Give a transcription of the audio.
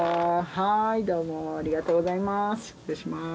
はいどうもありがとうございます失礼します